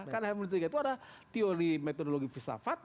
karena hermeneutika itu ada teori metodologi filsafat